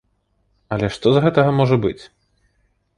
Але што з гэтага можа быць?